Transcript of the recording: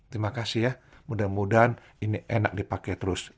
terima kasih ya mudah mudahan ini enak dipakai terus